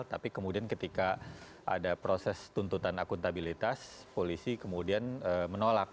tapi kemudian ketika ada proses tuntutan akuntabilitas polisi kemudian menolak